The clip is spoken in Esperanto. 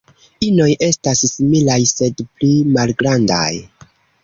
Inoj estas similaj, sed pli malgrandaj.